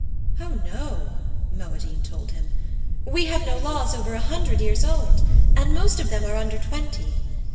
"Oh no," Moadine told him. "We have no laws over a hundred years old, and most of them are under twenty.